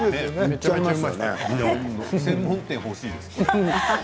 専門店、欲しいです。